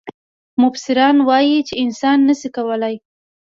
مفسران وايي چې انسان نه شي کولای.